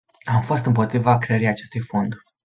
Am fost împotriva creării acestui fond.